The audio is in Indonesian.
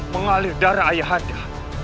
mengalir darah ayah anda